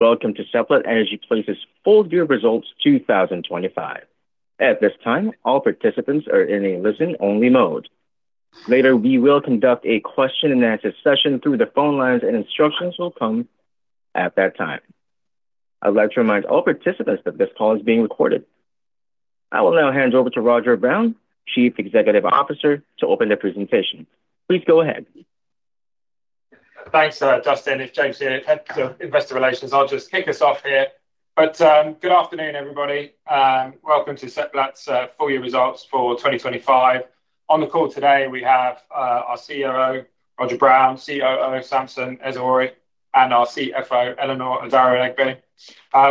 Welcome to Seplat Energy Plc's Full Year Results 2025. At this time, all participants are in a listen-only mode. Later, we will conduct a question and answer session through the phone lines, and instructions will come at that time. I'd like to remind all participants that this call is being recorded. I will now hand over to Roger Brown, Chief Executive Officer, to open the presentation. Please go ahead. Thanks, Justin. It's James here, Head of Investor Relations. I'll just kick us off here. Good afternoon, everybody, and welcome to Seplat's full year results for 2025. On the call today, we have our CEO, Roger Brown, COO Samson Ezugworie, and our CFO, Eleanor Adaralegbe.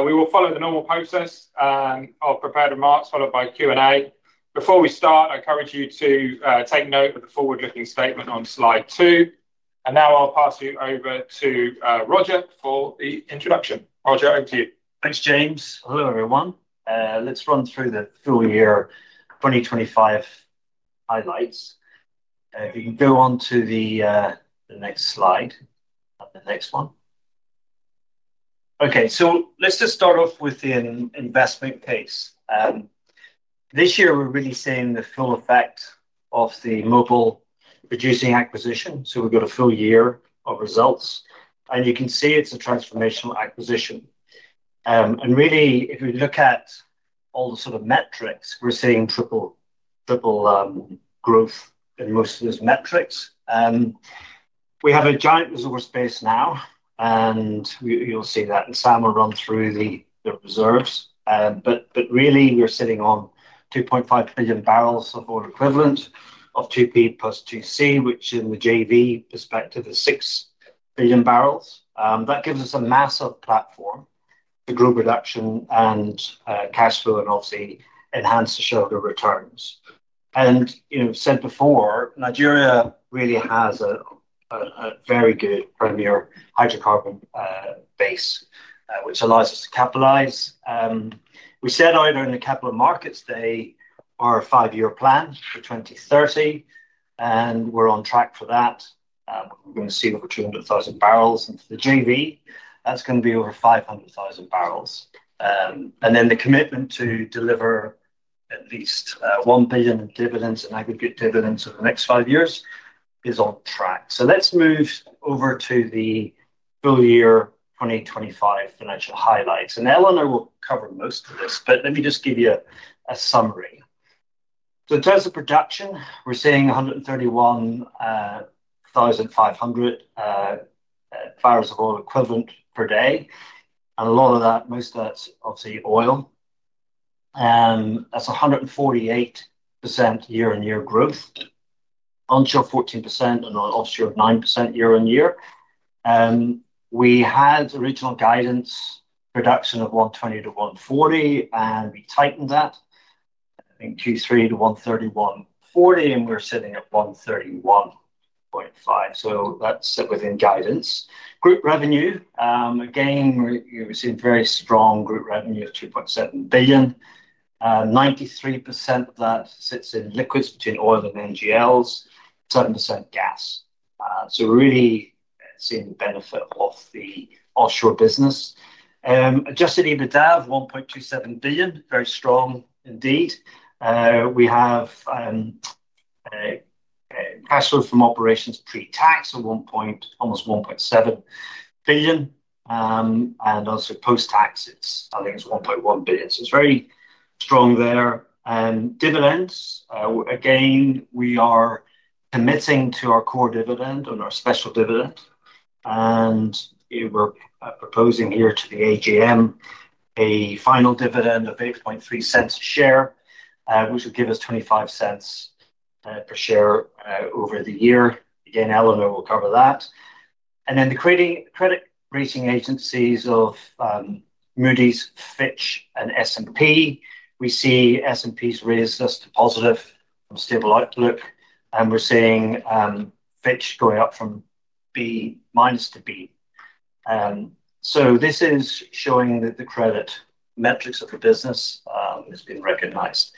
We will follow the normal process of prepared remarks, followed by Q&A. Before we start, I encourage you to take note of the forward-looking statement on slide two. Now I'll pass you over to Roger for the introduction. Roger, over to you. Thanks, James. Hello, everyone. Let's run through the full year 2025 highlights. If you can go on to the next slide. The next one. Okay, let's just start off with the investment case. This year, we're really seeing the full effect of the Mobil Producing acquisition, so we've got a full year of results, and you can see it's a transformational acquisition. Really, if you look at all the sort of metrics, we're seeing triple growth in most of those metrics. We have a giant resource base now, you'll see that, and Sam will run through the reserves. But really, we're sitting on 2.5 billion barrels of oil equivalent of 2P+2C, which in the JV perspective is 6 billion barrels. That gives us a massive platform to grow production and cash flow and obviously enhance the shareholder returns. You know, I've said before, Nigeria really has a very good premier hydrocarbon base which allows us to capitalize. We set out in the Capital Markets Day our five year plan for 2030, and we're on track for that. We're going to see over 200,000 barrels into the JV. That's going to be over 500,000 barrels. And then the commitment to deliver at least $1 billion in dividends and aggregate dividends over the next five years is on track. Let's move over to the full year 2025 financial highlights, and Eleanor will cover most of this, but let me just give you a summary. In terms of production, we're seeing 131,500 barrels of oil equivalent per day, and a lot of that, most of that's obviously oil. That's 148% year-on-year growth, onshore 14% and offshore 9% year-on-year. We had original guidance production of 120-140, and we tightened that in Q3 to 130-140, and we're sitting at 131.5, so that's within guidance. Group revenue, again, we're seeing very strong group revenue of $2.7 billion. 93% of that sits in liquids between oil and NGLs, 7% gas. We're really seeing the benefit of the offshore business. Adjusted EBITDA of $1.27 billion, very strong indeed. We have cash flow from operations pre-tax of almost $1.7 billion, and also post-tax, it's $1.1 billion, so it's very strong there. Dividends, again, we are committing to our core dividend and our special dividend, and we were proposing here to the AGM a final dividend of $0.083 a share, which would give us $0.25 per share over the year. Again, Eleanor will cover that. The credit rating agencies of Moody's, Fitch, and S&P, we see S&P's raised us to Positive from Stable outlook, and we're seeing Fitch going up from B- to B. So this is showing that the credit metrics of the business has been recognized.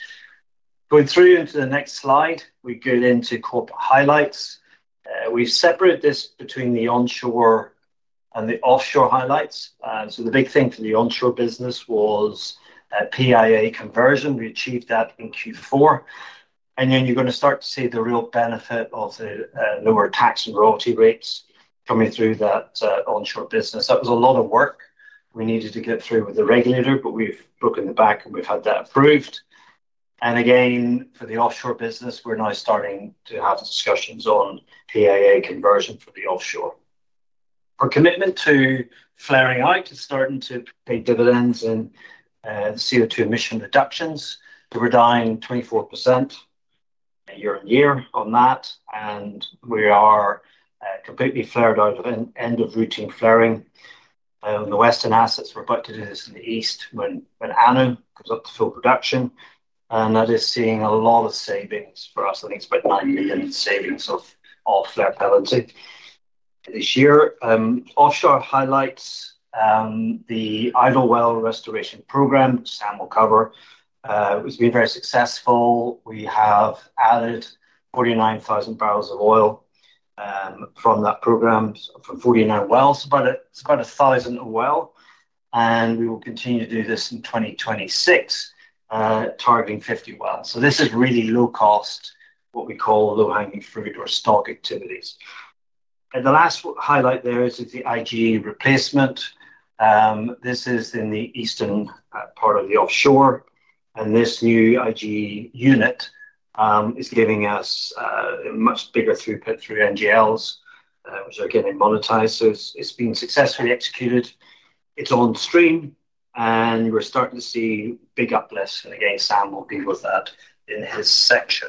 Going through into the next slide, we go into corporate highlights. We've separated this between the onshore and the offshore highlights. The big thing for the onshore business was a PIA conversion. We achieved that in Q4, you're going to start to see the real benefit of the lower tax and royalty rates coming through that onshore business. That was a lot of work we needed to get through with the regulator, but we've broken the back, and we've had that approved. Again, for the offshore business, we're now starting to have discussions on PIA conversion for the offshore. Our commitment to flaring out is starting to pay dividends in CO2 emission reductions. We're down 24% year-on-year on that, and we are completely flared out of end of routine flaring on the western assets. We're about to do this in the east when ANOH comes up to full production, that is seeing a lot of savings for us. I think it's about $9 million in savings of, off flare penalty this year. Offshore highlights, the Idle Well Restoration Program, Sam will cover, has been very successful. We have added 49,000 barrels of oil from that program from 49 wells, but it's about 1,000 a well. We will continue to do this in 2026, targeting 51. This is really low cost, what we call low-hanging fruit or stock activities. The last highlight there is the IGE replacement. This is in the eastern part of the offshore, and this new IGE unit is giving us a much bigger throughput through NGLs, which are getting monetized. It's been successfully executed. It's on stream, and we're starting to see big uplift. Again, Sam will deal with that in his section.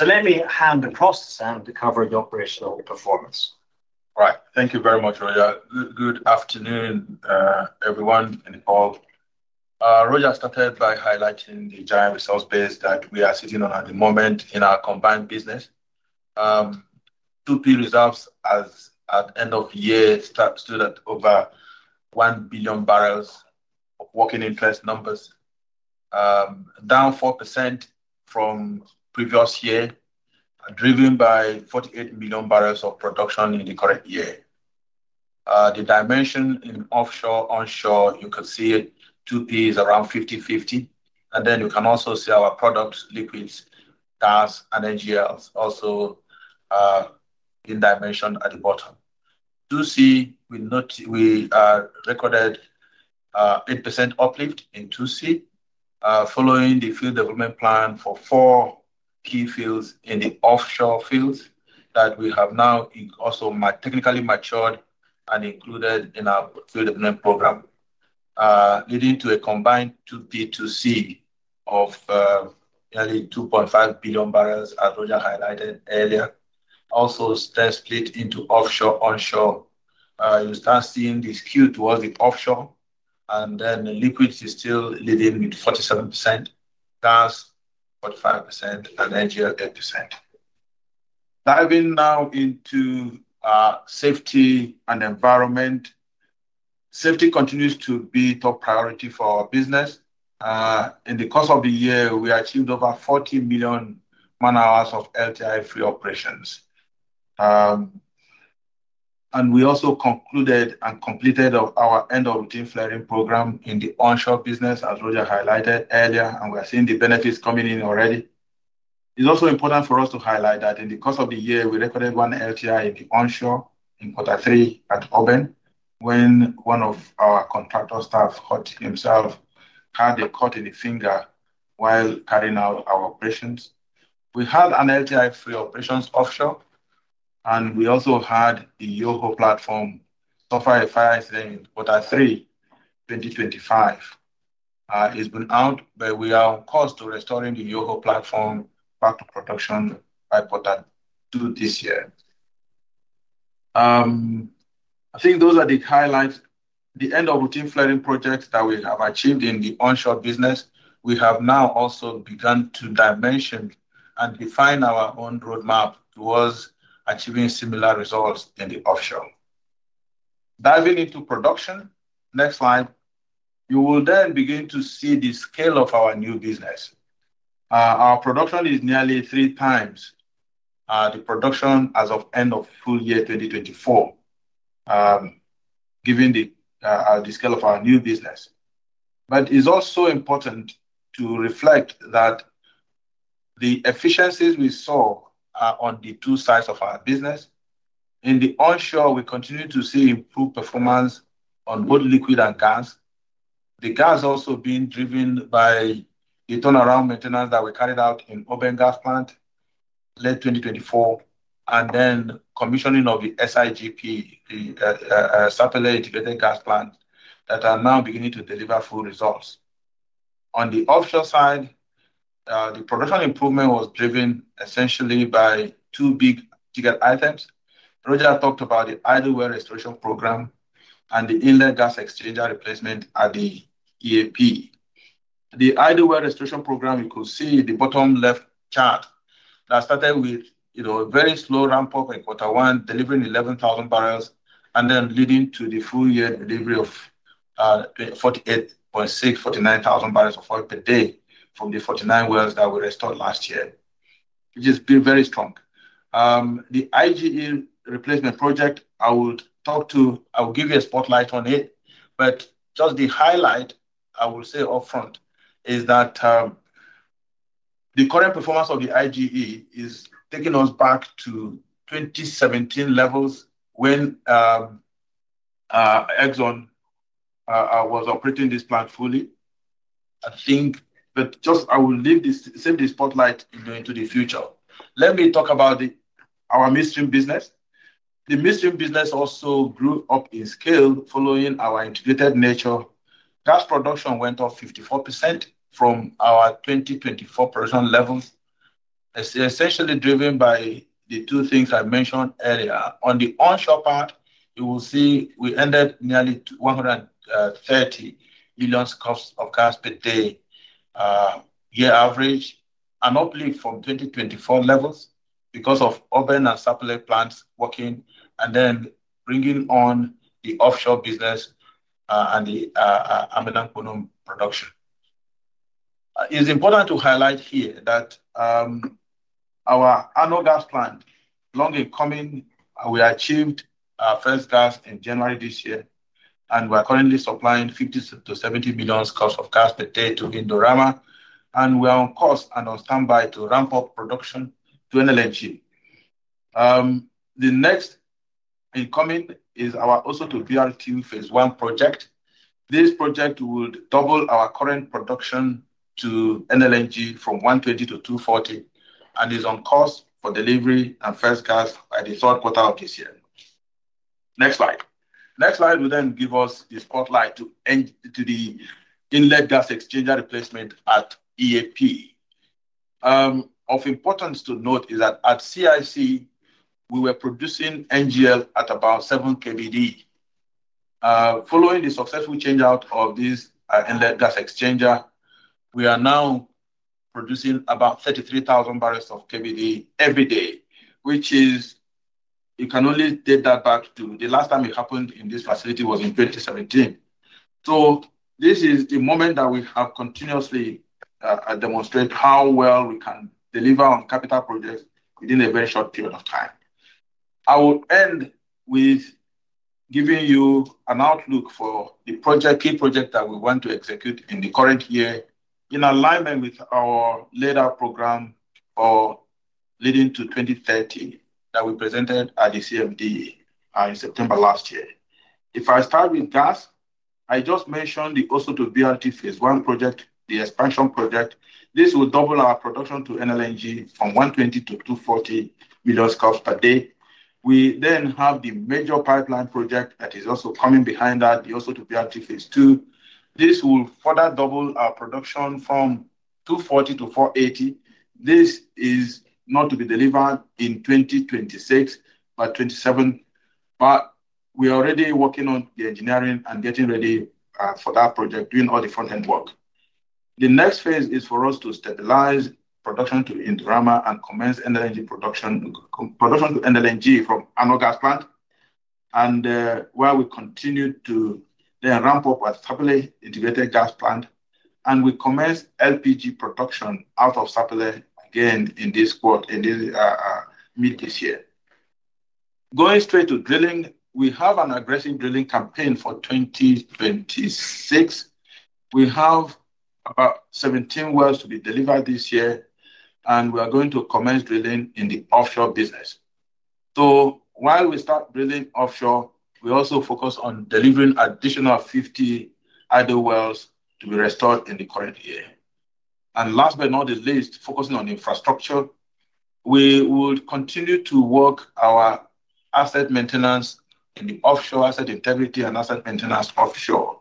Let me hand across to Sam to cover the operational performance. Right. Thank you very much, Roger. Good, good afternoon, everyone and all. Roger started by highlighting the giant resource base that we are sitting on at the moment in our combined business. 2P reserves as at end of year stood at over 1 billion barrels of working interest numbers, down 4% from previous year, driven by 48 million barrels of production in the current year. The dimension in offshore, onshore, you can see it, 2P is around 50/50, and then you can also see our products, liquids, gas, and NGLs also, in dimension at the bottom. 2C, we recorded 8% uplift in 2C following the field development plan for four key fields in the offshore fields that we have now in also technically matured and included in our field development program, leading to a combined 2P, 2C of nearly 2.5 billion barrels, as Roger highlighted earlier. Split into offshore, onshore. You start seeing the skew towards the offshore, and then the liquids is still leading with 47%, gas, 45%, and NGL, 8%. Diving now into safety and environment. Safety continues to be top priority for our business. In the course of the year, we achieved over 40 million man-hours of LTI-free operations. We also concluded and completed our end of routine flaring program in the onshore business, as Roger highlighted earlier. We are seeing the benefits coming in already. It's also important for us to highlight that in the course of the year, we recorded 1 LTI in the onshore in quarter three at Oben, when one of our contractor staff hurt himself, had a cut in the finger while carrying out our operations. We had an LTI-free operations offshore. We also had the Yoho platform suffer a fire in quarter three, 2025. It's been out. We are on course to restoring the Yoho platform back to production by quarter two this year. I think those are the highlights. The end of routine flaring projects that we have achieved in the onshore business, we have now also begun to dimension and define our own roadmap towards achieving similar results in the offshore. Diving into production, next slide. You will then begin to see the scale of our new business. Our production is nearly three times the production as of end of full year, 2024, given the scale of our new business. It's also important to reflect that the efficiencies we saw are on the two sides of our business. In the onshore, we continue to see improved performance on both liquid and gas. The gas also being driven by the turnaround maintenance that we carried out in Oben Gas Plant, late 2024, and then commissioning of the SIGP, the Sapele Integrated Gas Plant, that are now beginning to deliver full results. On the offshore side, the production improvement was driven essentially by two big ticket items. Roger talked about the Idle Well Restoration Program and the inlet gas exchanger replacement at the ELPS. The Idle Well Restoration Program, you could see the bottom left chart, that started with, you know, a very slow ramp-up in Q1, delivering 11,000 barrels, and then leading to the full year delivery of 48.6-49,000 barrels of oil per day from the 49 wells that were restored last year, which has been very strong. The IGE replacement project, I will give you a spotlight on it, but just the highlight, I will say upfront, is that the current performance of the IGE is taking us back to 2017 levels when Exxon was operating this plant fully. I think. Just I will leave this, save the spotlight into the future. Let me talk about our midstream business. The midstream business also grew up in scale following our integrated nature. Gas production went up 54% from our 2024 production levels, essentially driven by the two things I mentioned earlier. On the onshore part, you will see we ended nearly to 130 million costs of gas per day year average, an uplift from 2024 levels because of Oben and Sapele plants working and then bringing on the offshore business and the Amenam-Kpono production. It's important to highlight here that our ANOH Gas plant, long in coming, we achieved our first gas in January this year, and we're currently supplying 50 to 70 million scf of gas per day to Indorama, and we are on course and on standby to ramp up production to NLNG. The next in coming is our Oso-BRT phase I project. This project would double our current production to NLNG from 120 to 240, and is on course for delivery and first gas by the third quarter of this year. Next slide will then give us the spotlight to the inlet gas exchanger replacement at ELPS. Of importance to note is that at CiC, we were producing NGL at about 7 KBD. Following the successful change-out of this inlet gas exchanger, we are now producing about 33,000 barrels of KBD every day, which is. You can only date that back to the last time it happened in this facility was in 2017. So this is the moment that we have continuously demonstrate how well we can deliver on capital projects within a very short period of time. I will end with giving you an outlook for the project, key project that we want to execute in the current year, in alignment with our laid out program for leading to 2030, that we presented at the CMD in September last year. If I start with gas, I just mentioned the Oso-BRT phase I project, the expansion project. This will double our production to NLNG from 120 to 240 million scf per day. We have the major pipeline project that is also coming behind that, the Oso-BRT phase II. This will further double our production from 240 to 480. This is not to be delivered in 2026, but 2027. We are already working on the engineering and getting ready for that project, doing all the front-end work. The next phase is for us to stabilize production to Indorama and commence production to NLNG from ANOH Gas plant, while we continue to then ramp up at Sapele Integrated Gas Plant. We commence LPG production out of Sapele again in this quarter, mid this year. Going straight to drilling, we have an aggressive drilling campaign for 2026. We have about 17 wells to be delivered this year. We are going to commence drilling in the offshore business. While we start drilling offshore, we also focus on delivering additional 50 idle wells to be restored in the current year. Last but not the least, focusing on infrastructure, we would continue to work our asset maintenance in the offshore asset integrity and asset maintenance offshore.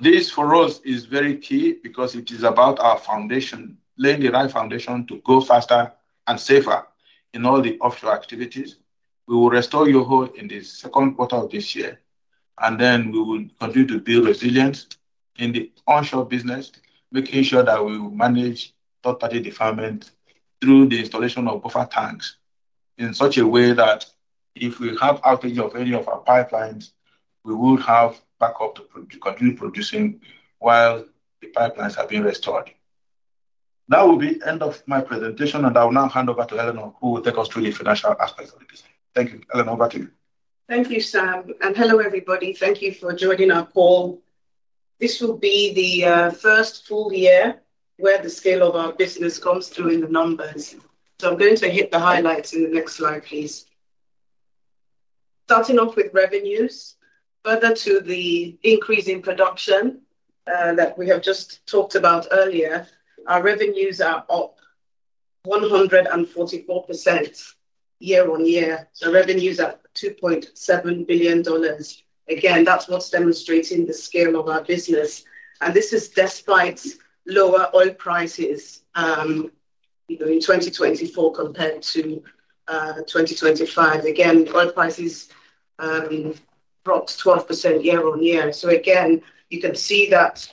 This, for us, is very key because it is about our foundation, laying the right foundation to go faster and safer in all the offshore activities. We will restore Yoho in the second quarter of this year. We will continue to build resilience in the onshore business, making sure that we will manage third-party deferment through the installation of buffer tanks in such a way that if we have outage of any of our pipelines, we will have backup to continue producing while the pipelines are being restored. That will be end of my presentation. I will now hand over to Eleanor, who will take us through the financial aspects of the business. Thank you. Eleanor, over to you. Thank you, Sam, and hello, everybody. Thank you for joining our call. This will be the first full year where the scale of our business comes through in the numbers. I'm going to hit the highlights in the next slide, please. Starting off with revenues, further to the increase in production that we have just talked about earlier, our revenues are up 144% year-on-year, so revenues are at $2.7 billion. Again, that's what's demonstrating the scale of our business, and this is despite lower oil prices, you know, in 2024 compared to 2025. Again, oil prices dropped 12% year-on-year. Again, you can see that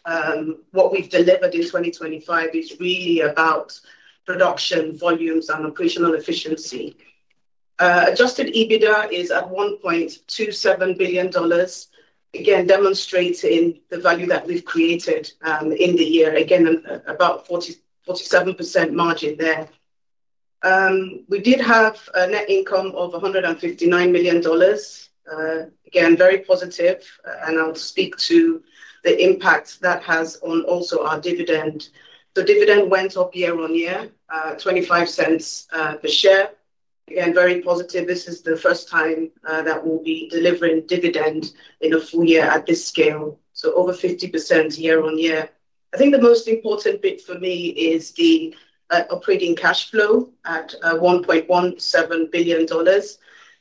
what we've delivered in 2025 is really about production volumes and operational efficiency. Adjusted EBITDA is at $1.27 billion, again, demonstrating the value that we've created in the year. Again, about 47% margin there. We did have a net income of $159 million. Again, very positive, and I'll speak to the impact that has on also our dividend. The dividend went up year-on-year, $0.25 per share. Again, very positive. This is the first time that we'll be delivering dividend in a full year at this scale, so over 50% year-on-year. I think the most important bit for me is the operating cash flow at $1.17 billion.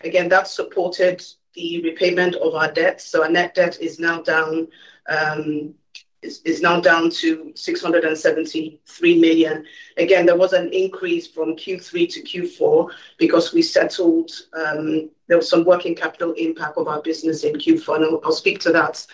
Again, that supported the repayment of our debt, so our net debt is now down. is now down to $673 million. Again, there was an increase from Q3 to Q4 because we settled, there was some working capital impact of our business in Q4, and I'll speak to that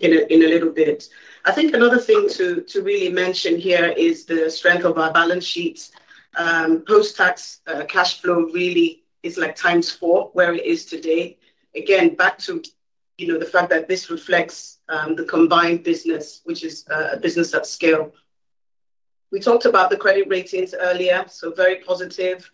in a little bit. I think another thing to really mention here is the strength of our balance sheet. Post-tax cash flow really is like times four where it is today. Again, back to you know, the fact that this reflects the combined business, which is a business at scale. We talked about the credit ratings earlier, so very positive.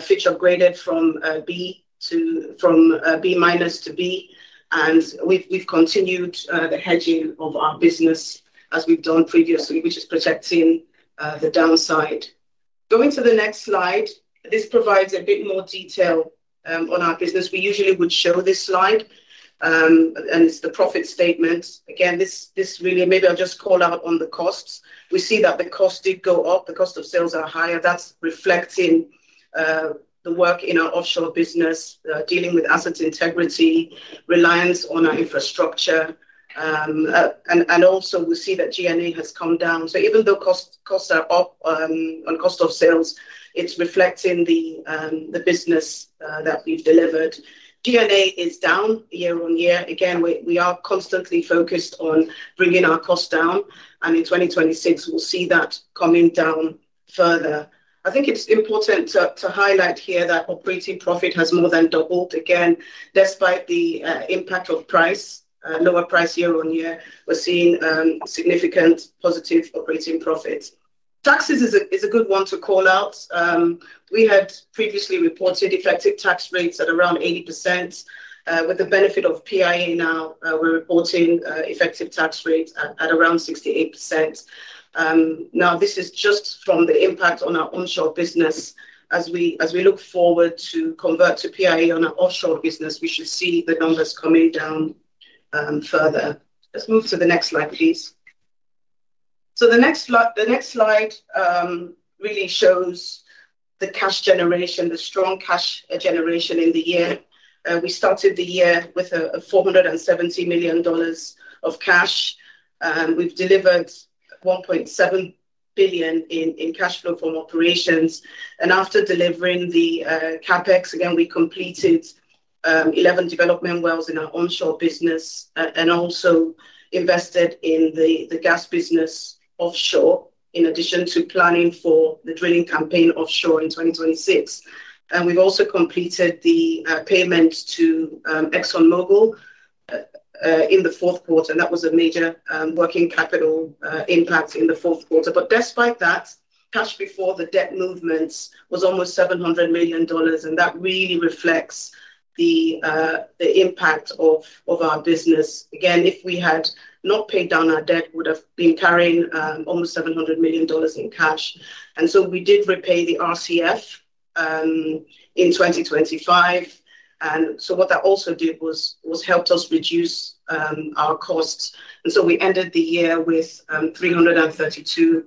Fitch upgraded from B to, from B- to B, and we've continued the hedging of our business as we've done previously, which is protecting the downside. Going to the next slide, this provides a bit more detail on our business. We usually would show this slide, and it's the profit statement. Again, this really maybe I'll just call out on the costs. We see that the cost did go up. The cost of sales are higher. That's reflecting the work in our offshore business, dealing with asset integrity, reliance on our infrastructure, and also we see that G&A has come down. Even though costs are up on cost of sales, it's reflecting the business that we've delivered. G&A is down year on year. Again, we are constantly focused on bringing our costs down, and in 2026, we'll see that coming down further. I think it's important to highlight here that operating profit has more than doubled. Despite the impact of price, lower price year-on-year, we're seeing significant positive operating profit. Taxes is a good one to call out. We had previously reported effective tax rates at around 80%. With the benefit of PIA now, we're reporting effective tax rates at around 68%. Now, this is just from the impact on our onshore business. As we look forward to convert to PIA on our offshore business, we should see the numbers coming down further. Let's move to the next slide, please. The next slide really shows the cash generation, the strong cash generation in the year. We started the year with a $470 million of cash. We've delivered $1.7 billion in cash flow from operations. After delivering the CapEx, again, we completed 11 development wells in our onshore business and also invested in the gas business offshore, in addition to planning for the drilling campaign offshore in 2026. We've also completed the payment to ExxonMobil in the fourth quarter, and that was a major working capital impact in the fourth quarter. Despite that, cash before the debt movements was almost $700 million, and that really reflects the impact of our business. Again, if we had not paid down our debt, we would have been carrying almost $700 million in cash, and so we did repay the RCF in 2025. What that also did was helped us reduce our costs. We ended the year with $332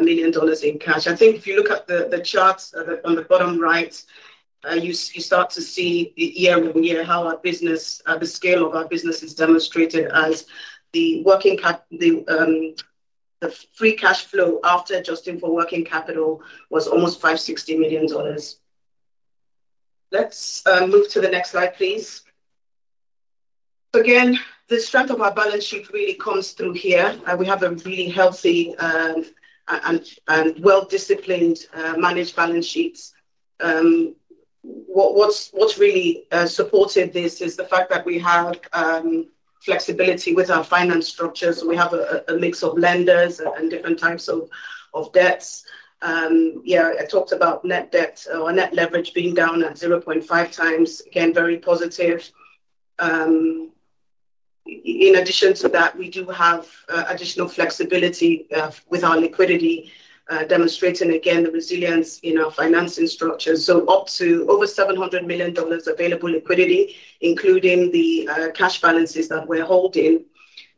million in cash. I think if you look at the charts on the bottom right, you start to see year-over-year how our business, the scale of our business is demonstrated as the free cash flow after adjusting for working capital was almost $560 million. Let's move to the next slide, please. Again, the strength of our balance sheet really comes through here. We have a really healthy and well-disciplined managed balance sheets. What's really supported this is the fact that we have flexibility with our finance structures, and we have a mix of lenders and different types of debts. I talked about net debt or net leverage being down at 0.5 times. Very positive. In addition to that, we do have additional flexibility with our liquidity, demonstrating again, the resilience in our financing structure. Up to over $700 million available liquidity, including the cash balances that we're holding.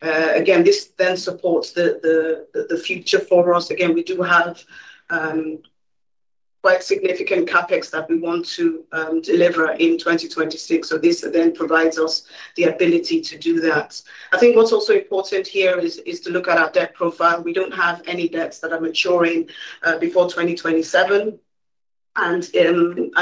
This then supports the future for us. We do have quite significant CapEx that we want to deliver in 2026, this then provides us the ability to do that. I think what's also important here is to look at our debt profile. We don't have any debts that are maturing before 2027, and at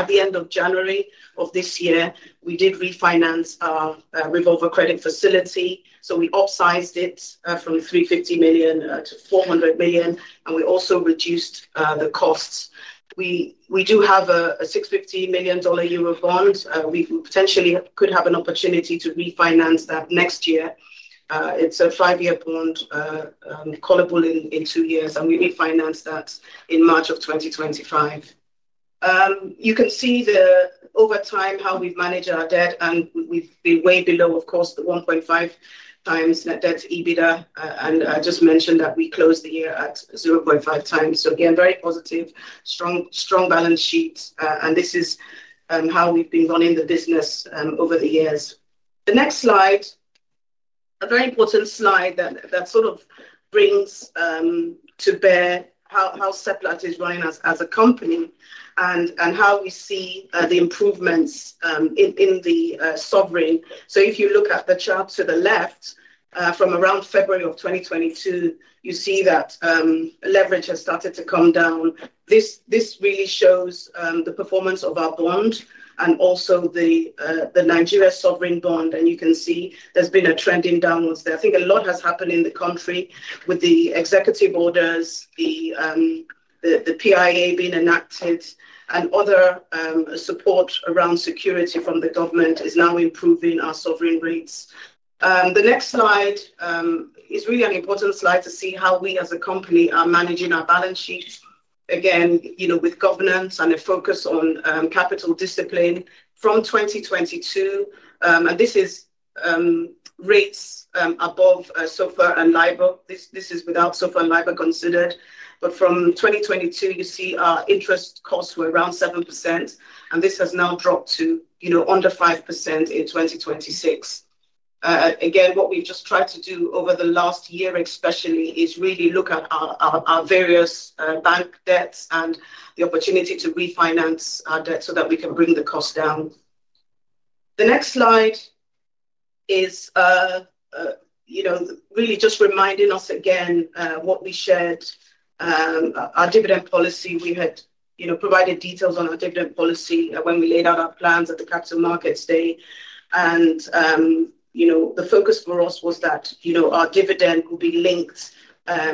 the end of January of this year, we did refinance our revolving credit facility. We upsized it from $350 million to $400 million, and we also reduced the costs. We do have a $650 million Eurobond. We potentially could have an opportunity to refinance that next year. It's a five year bond, callable in two years, and we refinanced that in March of 2025. You can see over time how we've managed our debt, and we've been way below, of course, the 1.5 times net debt to EBITDA, and I just mentioned that we closed the year at 0.5 times. Again, very positive, strong balance sheet, and this is how we've been running the business over the years. The next slide, a very important slide that sort of brings to bear how Seplat is running as a company and how we see the improvements in the sovereign. If you look at the chart to the left, from around February of 2022, you see that leverage has started to come down. This really shows the performance of our bond and also the Nigeria sovereign bond, and you can see there's been a trending downwards there. I think a lot has happened in the country with the executive orders, the PIA being enacted, and other support around security from the government is now improving our sovereign rates. The next slide is really an important slide to see how we, as a company, are managing our balance sheet again, you know, with governance and a focus on capital discipline. From 2022, and this is rates above, SOFR and LIBOR. This is without SOFR and LIBOR considered. From 2022, you see our interest costs were around 7%, and this has now dropped to, you know, under 5% in 2026. Again, what we've just tried to do over the last year, especially, is really look at our various bank debts and the opportunity to refinance our debt so that we can bring the cost down. The next slide is, you know, really just reminding us again, what we shared. Our dividend policy, we had, you know, provided details on our dividend policy when we laid out our plans at the Capital Markets Day. You know, the focus for us was that, you know, our dividend will be linked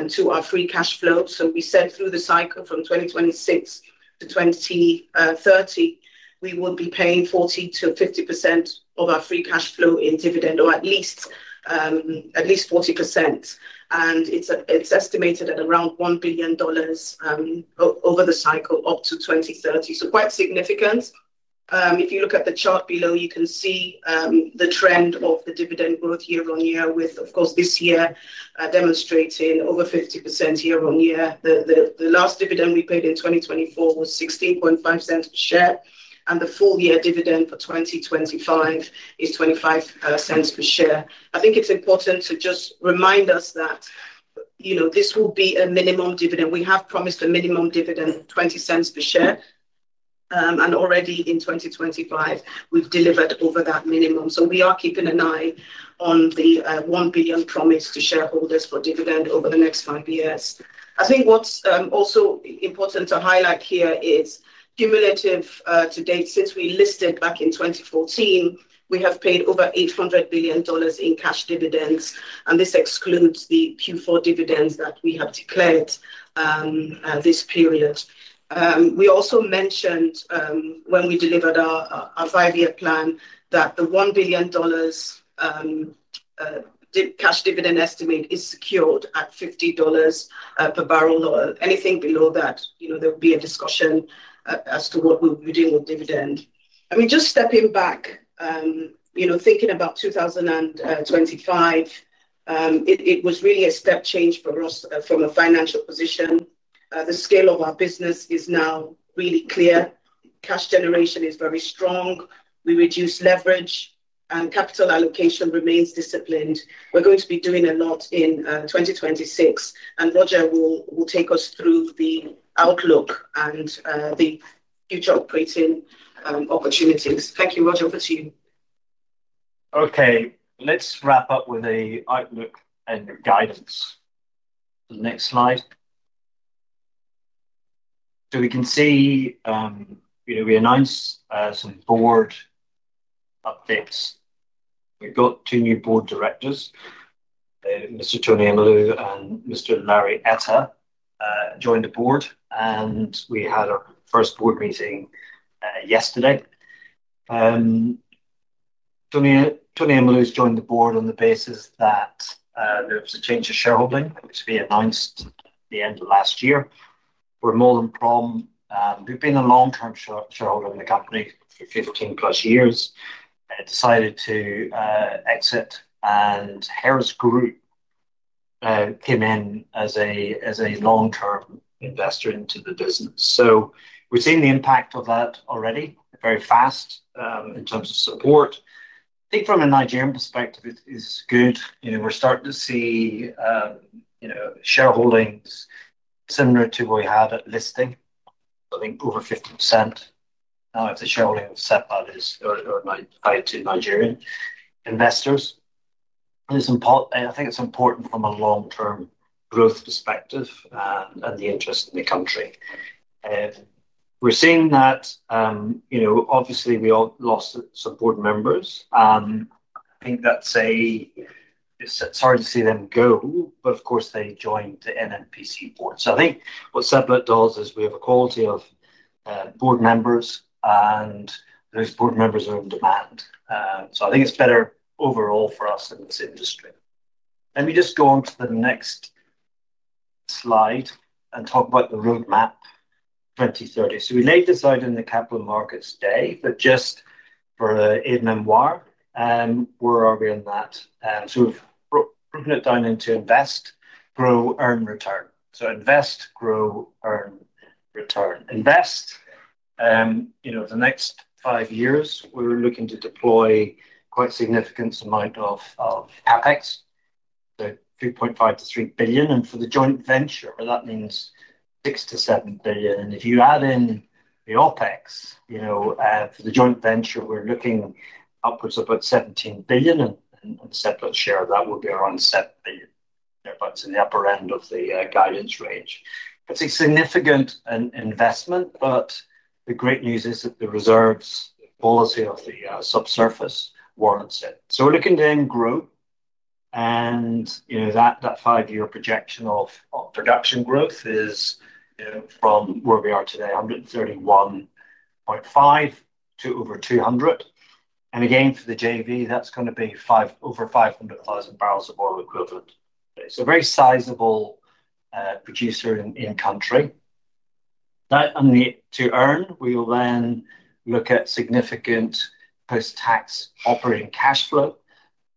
to our free cash flow. We said through the cycle from 2026 to 2030, we will be paying 40%-50% of our free cash flow in dividend, or at least 40%. It's estimated at around $1 billion over the cycle up to 2030. Quite significant. If you look at the chart below, you can see the trend of the dividend growth year on year, with, of course, this year, demonstrating over 50% year on year. The last dividend we paid in 2024 was $0.165 per share, and the full year dividend for 2025 is $0.25 per share. I think it's important to just remind us that, you know, this will be a minimum dividend. We have promised a minimum dividend of $0.20 per share, and already in 2025, we've delivered over that minimum. We are keeping an eye on the $1 billion promise to shareholders for dividend over the next five years. I think what's also important to highlight here is cumulative, to date, since we listed back in 2014, we have paid over $800 billion in cash dividends. This excludes the Q4 dividends that we have declared this period. We also mentioned, when we delivered our five-year plan, that the $1 billion cash dividend estimate is secured at $50 per barrel of oil. Anything below that, you know, there'll be a discussion as to what we'll be doing with dividend. I mean, just stepping back, you know, thinking about 2025, it was really a step change for us from a financial position. The scale of our business is now really clear. Cash generation is very strong, we reduced leverage. Capital allocation remains disciplined. We're going to be doing a lot in 2026. Roger will take us through the outlook and the future operating opportunities. Thank you, Roger, over to you. Okay, let's wrap up with a outlook and guidance. The next slide. We can see, you know, we announced some board updates. We've got two new board directors, Mr. Tony Emelue and Mr. Larry Eva, joined the board, and we had our first board meeting yesterday. Tony Emelue joined the board on the basis that there was a change of shareholding, which we announced at the end of last year, where Moelis & Company, who've been a long-term shareholder in the company for 15+ years, decided to exit, and Heirs Energies came in as a long-term investor into the business. We've seen the impact of that already, very fast, in terms of support. I think from a Nigerian perspective, it is good. You know, we're starting to see, you know, shareholdings similar to what we had at listing. I think over 50% now of the shareholding of Seplat is owned by to Nigerian investors. It's important from a long-term growth perspective, and the interest in the country. We're seeing that, you know, obviously, we all lost some board members. I think that's it's sorry to see them go, but of course, they joined the NNPC board. I think what Seplat does is we have a quality of board members, and those board members are in demand. I think it's better overall for us in this industry. Let me just go on to the next slide and talk about the roadmap 2030. We laid this out in the Capital Markets Day, but just for the aide memoir, where are we on that? We've broken it down into invest, grow, earn return. Invest, grow, earn return. Invest, you know, the next five years, we're looking to deploy quite significant amount of CapEx, so $3.5 billion-$3 billion, and for the joint venture, that means $6 billion-$7 billion. If you add in the OpEx, you know, for the joint venture, we're looking upwards of about $17 billion, and on Seplat's share, that would be around $7 billion. That's in the upper end of the guidance range. It's a significant investment, but the great news is that the reserves policy of the subsurface warrants it. We're looking to then grow, you know, that five-year projection of production growth is, you know, from where we are today, 131.5 to over 200. Again, for the JV, that's going to be over 500,000 barrels of oil equivalent. A very sizable producer in country. That and the to earn, we will then look at significant post-tax operating cash flow.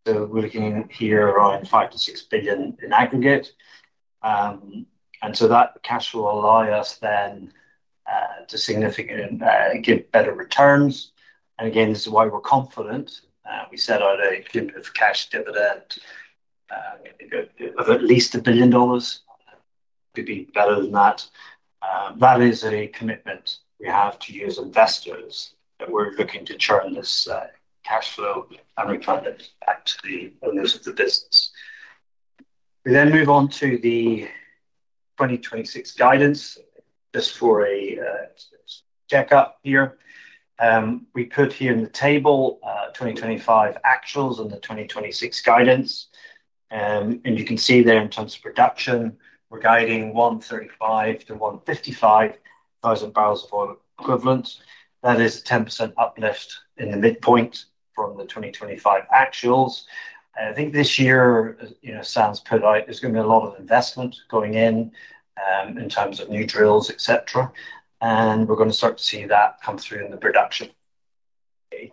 We're looking here around $5 billion-$6 billion in aggregate. That cash will allow us then to significant give better returns. Again, this is why we're confident. We set out a clip of cash dividend of at least $1 billion, could be better than that. That is a commitment we have to you as investors, that we're looking to churn this cash flow and return it back to the owners of the business. We then move on to the 2026 guidance just for a checkup here. We put here in the table, 2025 actuals and the 2026 guidance. You can see there in terms of production, we're guiding 135,000-155,000 barrels of oil equivalent. That is a 10% uplift in the midpoint from the 2025 actuals. I think this year, you know, sounds put out there's going to be a lot of investment going in terms of new drills, et cetera, and we're going to start to see that come through in the production.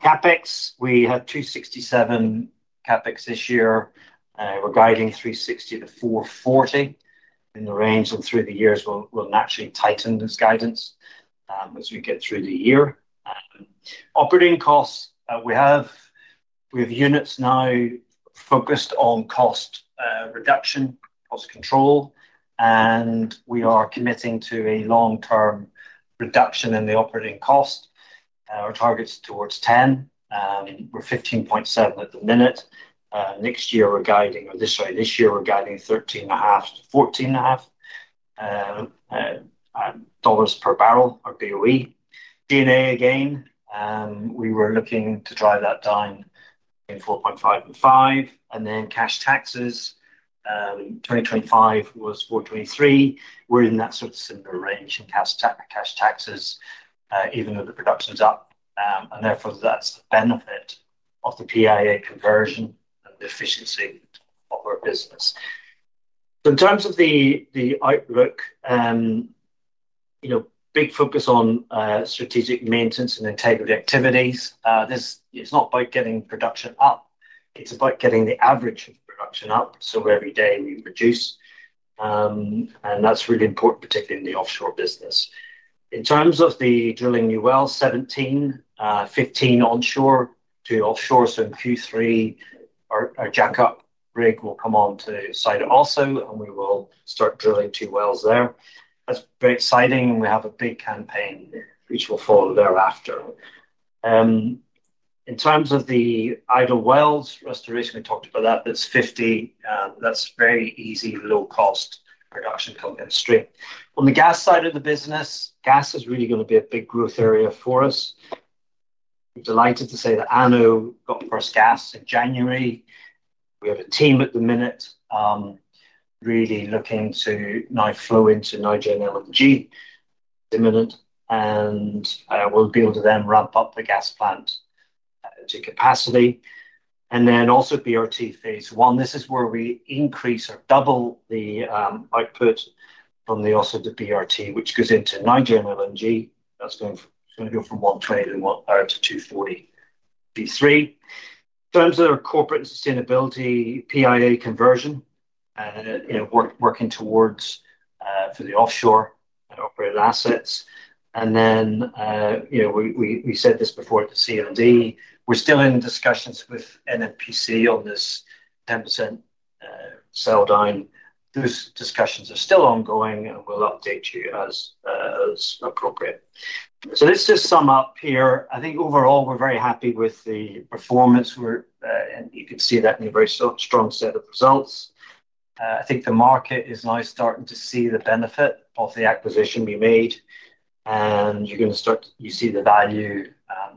CapEx, we had $267 million CapEx this year. We're guiding $360-$440 in the range, and through the years, we'll naturally tighten this guidance as we get through the year. Operating costs, we have units now focused on cost reduction, cost control, and we are committing to a long-term reduction in the operating cost. Our target's towards $10, we're $15.7 at the minute. Next year, we're guiding. This year we're guiding $13.5-$14.5 per barrel or BOE. DD&A, again, we were looking to drive that down in $4.5-$5. Cash taxes, 2025 was $423. We're in that sort of similar range in cash taxes, even though the production is up. Therefore, that's the benefit of the PIA conversion and the efficiency of our business. In terms of the outlook, you know, big focus on strategic maintenance and integrity activities. This, it's not about getting production up, it's about getting the average of production up, so every day we produce. That's really important, particularly in the offshore business. In terms of the drilling new wells, 17, 15 onshore to offshore, in Q3, our jack-up rig will come on to site also. We will start drilling two wells there. That's very exciting, we have a big campaign, which will follow thereafter. In terms of the Idle Well Restoration, we talked about that. That's 50, that's very easy, low cost production coming in stream. On the gas side of the business, gas is really going to be a big growth area for us. We're delighted to say that ANOH got the first gas in January. We have a team at the minute, really looking to now flow into Nigeria LNG, imminent, we'll be able to then ramp up the gas plant to capacity. Then also BRT phase I. This is where we increase or double the output from the BRT, which goes into Nigeria LNG. That's going to go from 120 to 240 P3. In terms of our corporate and sustainability, PIA conversion, you know, working towards for the offshore and operated assets. You know, we said this before at the CMD, we're still in discussions with NNPC on this 10% sell down. Those discussions are still ongoing, and we'll update you as appropriate. Let's just sum up here. I think overall, we're very happy with the performance. We're, and you can see that in a very so, strong set of results. I think the market is now starting to see the benefit of the acquisition we made, and you're going to start to see the value,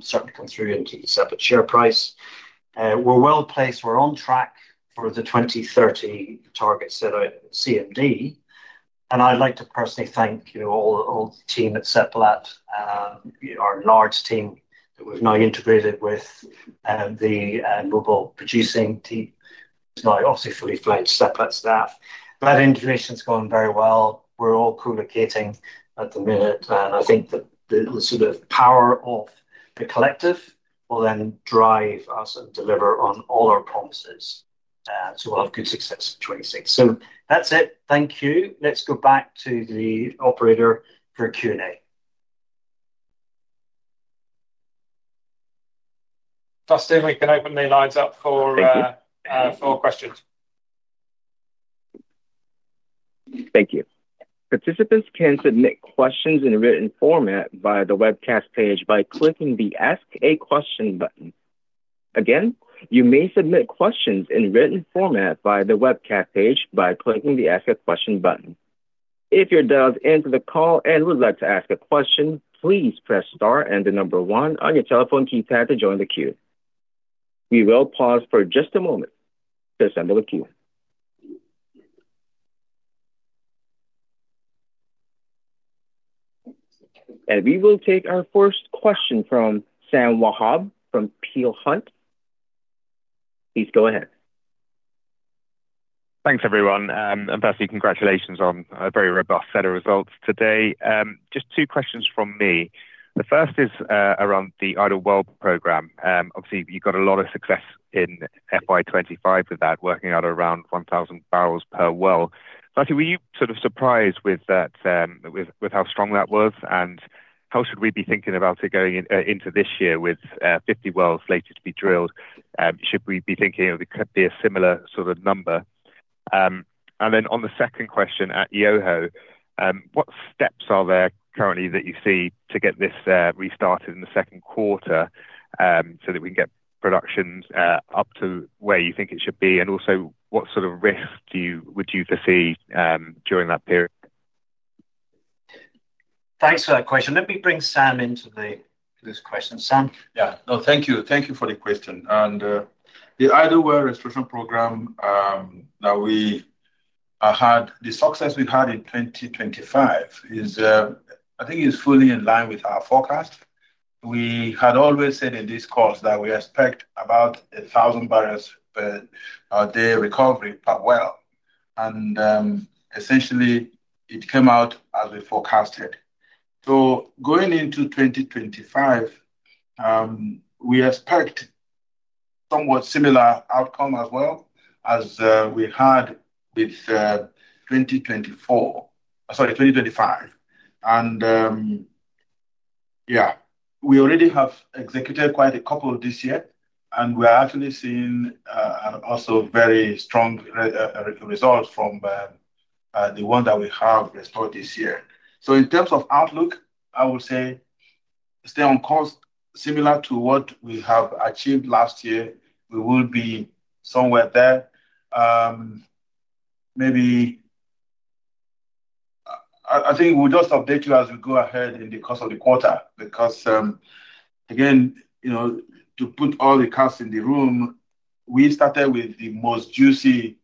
starting to come through into the Seplat share price. We're well placed, we're on track for the 2030 target set out at CMD. I'd like to personally thank, you know, all the team at Seplat, you know, our large team that we've now integrated with, the Mobil Producing team. It's now obviously fully fledged Seplat staff. That integration's going very well. We're all co-locating at the minute. I think that the sort of power of the collective will then drive us and deliver on all our promises. We'll have good success in 2026. That's it. Thank you. Let's go back to the operator for a Q&A. Justin, we can open the lines up for. Thank you. For questions. Thank you. Participants can submit questions in a written format via the webcast page by clicking the Ask a Question button. Again, you may submit questions in written format via the webcast page by clicking the Ask a Question button. If you're dialed into the call and would like to ask a question, please press star and the number one on your telephone keypad to join the queue. We will pause for just a moment to assemble the queue we will take our first question from Sam Wahab from Peel Hunt. Please go ahead. Thanks, everyone. Firstly, congratulations on a very robust set of results today. Just two questions from me. The first is around the Idle Well Program. Obviously, you got a lot of success in FY 2025 with that, working out around 1,000 barrels per well. Actually, were you sort of surprised with that, with how strong that was? How should we be thinking about it going into this year with 50 wells slated to be drilled? Should we be thinking it could be a similar sort of number? On the second question, at Yoho, what steps are there currently that you see to get this restarted in the second quarter, so that we can get productions up to where you think it should be? Also, what sort of risks would you foresee during that period? Thanks for that question. Let me bring Sam into this question. Sam? Yeah. No, thank you. Thank you for the question. The Idle Well Restoration Program that we the success we've had in 2025 is I think is fully in line with our forecast. We had always said in this course that we expect about 1,000 barrels per day recovery per well, and essentially, it came out as we forecasted. Going into 2025, we expect somewhat similar outcome as well as we had with 2024. Sorry, 2025. Yeah, we already have executed quite a couple this year, and we are actually seeing an also very strong result from the one that we have restored this year. In terms of outlook, I would say stay on course, similar to what we have achieved last year. We will be somewhere there. I think we'll just update you as we go ahead in the course of the quarter, because, again, you know, to put all the cats in the room, we started with the most juicy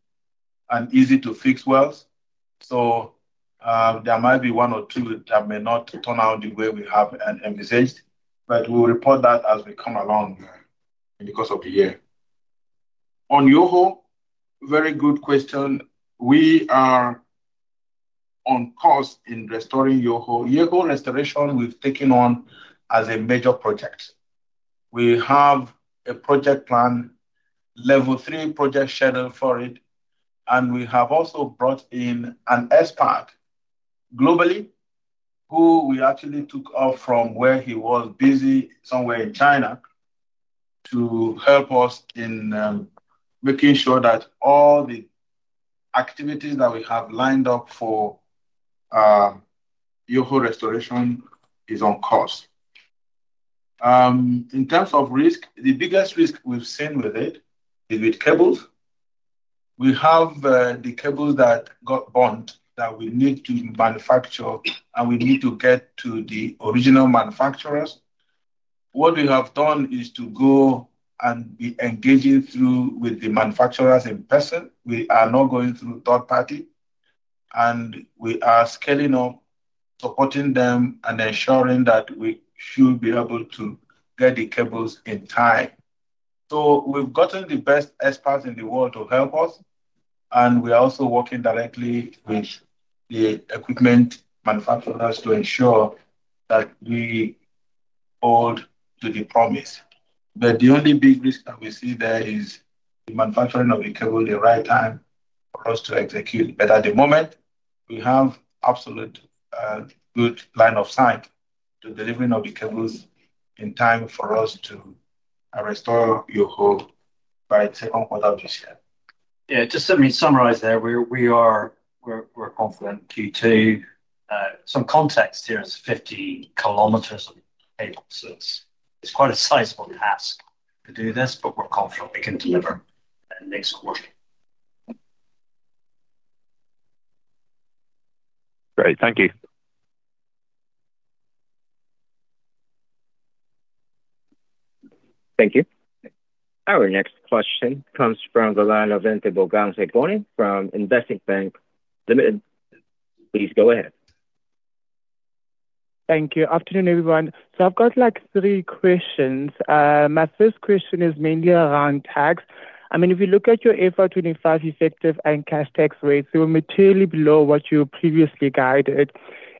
and easy to fix wells. There might be one or two that may not turn out the way we have envisaged, but we'll report that as we come along in the course of the year. On Yoho, very good question. We are on course in restoring Yoho. Yoho restoration, we've taken on as a major project. We have a project plan, level three project schedule for it, and we have also brought in an expert globally, who we actually took off from where he was busy, somewhere in China, to help us in making sure that all the activities that we have lined up for Yoho restoration is on course. In terms of risk, the biggest risk we've seen with it is with cables. We have the cables that got burnt that we need to manufacture, and we need to get to the original manufacturers. What we have done is to go and be engaging through with the manufacturers in person. We are not going through third party, and we are scaling up, supporting them, and ensuring that we should be able to get the cables in time. We've gotten the best experts in the world to help us, and we are also working directly with the equipment manufacturers to ensure that we hold to the promise. The only big risk that we see there is the manufacturing of the cable, the right time for us to execute. At the moment, we have absolute good line of sight to delivering of the cables in time for us to restore Yoho by the second quarter this year. Yeah, just let me summarize there. We're confident Q2. Some context here, it's 50 km of cable, it's quite a sizable task to do this, but we're confident we can deliver next quarter. Great. Thank you. Thank you. Our next question comes from the line of Ntebogang Gasegwe from Investec Bank Limited. Please go ahead. Thank you. Afternoon, everyone. I've got, like, three questions. My first question is mainly around tax. I mean, if you look at your FY 2025 effective and cash tax rates, they were materially below what you previously guided.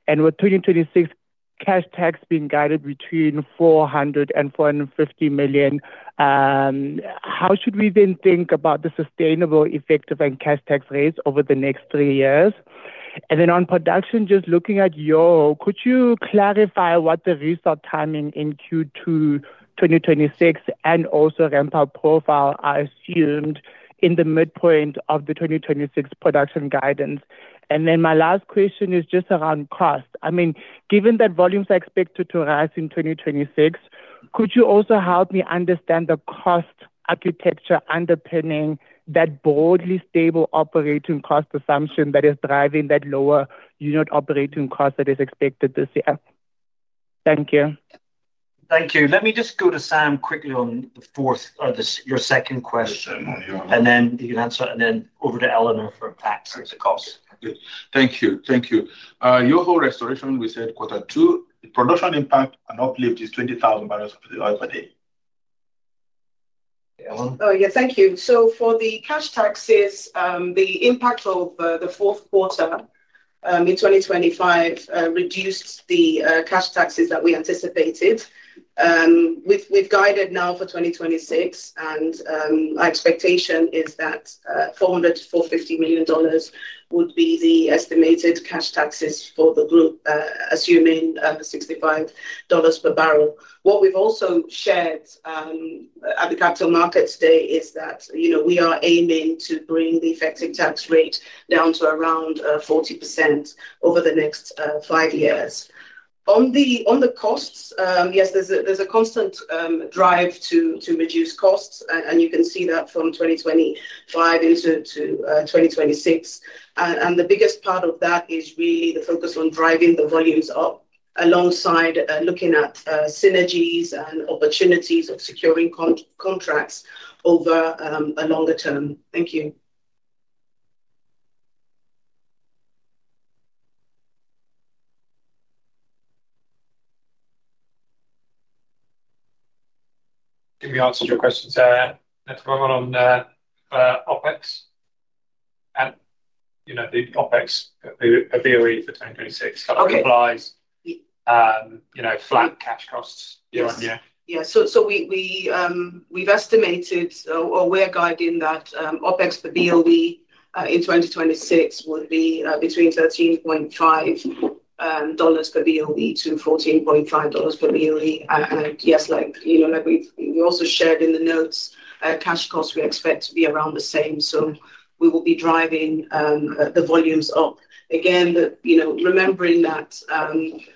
With 2026 cash tax being guided between $400 million and $450 million, how should we then think about the sustainable effective and cash tax rates over the next three years? On production, just looking at Yoho, could you clarify what the restart timing in Q2 2026 and also ramp up profile are assumed in the midpoint of the 2026 production guidance? My last question is just around cost. I mean, given that volumes are expected to rise in 2026, could you also help me understand the cost architecture underpinning that broadly stable operating cost assumption that is driving that lower unit operating cost that is expected this year? Thank you. Thank you. Let me just go to Sam quickly on the fourth or the your second question. Yeah. You can answer, and then over to Eleanor for tax and the costs. Good. Thank you. Thank you. Yoho restoration, we said quarter two, the production impact and uplift is 20,000 barrels per day. Eleanor? Yeah. Thank you. For the cash taxes, the impact of the fourth quarter in 2025 reduced the cash taxes that we anticipated. We've guided now for 2026, our expectation is that $400 million to $450 million would be the estimated cash taxes for the group, assuming the $65 per barrel. What we've also shared at the Capital Markets Day is that, you know, we are aiming to bring the effective tax rate down to around 40% over the next five years. On the costs, yes, there's a constant drive to reduce costs, and you can see that from 2025 into 2026. The biggest part of that is really the focus on driving the volumes up alongside, looking at synergies and opportunities of securing contracts over a longer term. Thank you. Give me answers to your questions, next one on, OpEx. You know, the OpEx, BOE for 2026. Okay. Implies, you know, flat cash costs. Yes. Yeah. Yeah. We've estimated or we're guiding that OpEx per BOE in 2026 would be between $13.5-$14.5 per BOE. Yes, like, you know, like we've also shared in the notes, cash costs we expect to be around the same. We will be driving the volumes up. Again, you know, remembering that